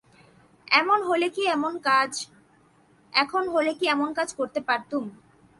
এখন হলে কি এমন কাজ করতে পারতুম।